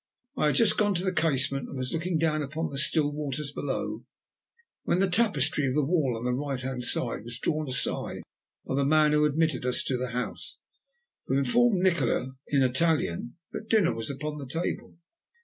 I had just gone to the casement, and was looking down upon the still waters below, when the tapestry of the wall on the right hand was drawn aside by the man who had admitted us to the house, who informed Nikola in Italian that dinner was upon the table.